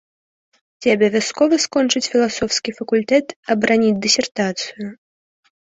Ці абавязкова скончыць філасофскі факультэт, абараніць дысертацыю?